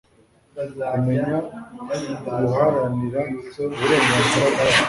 kumenya guharanira uburenganzira bwabo,